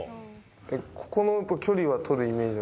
この距離を取るイメージ？